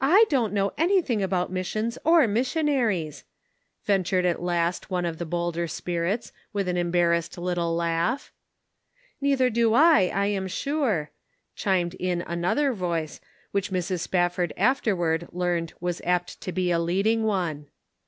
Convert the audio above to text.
1 don't know anything about missions or missionaries," ventured at last one of the bolder spirits, with an embarrassed little laugh. "Neither do I, I am sure," chimed in another voice, which Mrs. Spafford afterward learned was apt to be a leading one.